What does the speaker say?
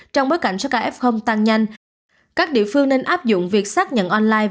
trong bối cảnh số ca f tăng nhanh các địa phương nên áp dụng việc xác nhận online